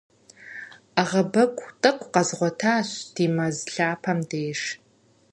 Ӏэгъэбэгу тӏэкӏу къэзгъуэтащ ди мэз лъапэм деж.